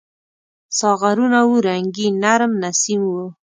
ساغرونه وو رنګین ، نرم نسیم و